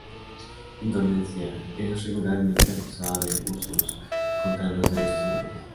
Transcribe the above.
Indonesia es regularmente acusada de abusos contra los derechos humanos.